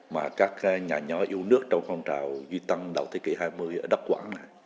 mà các nhà nhóm yêu nước trong phong trào duy tân đầu thế kỷ hai mươi ở đắk quảng